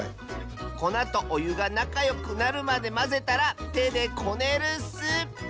こなとおゆがなかよくなるまでまぜたらてでこねるッス！